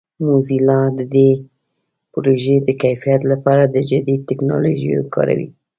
موزیلا د دې پروژې د کیفیت لپاره د جدید ټکنالوژیو کاروي.